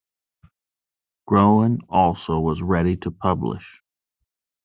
Groen also was ready to publish.